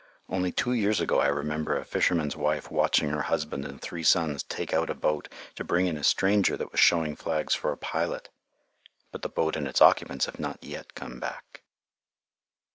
Only two years ago I remember a fisherman's wife watching her husband and three sons take out a boat to bring in a stranger that was showing flags for a pilot. But the boat and its occupants have not yet come back.